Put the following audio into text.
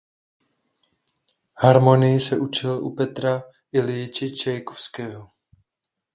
Harmonii se učil u Petra Iljiče Čajkovského.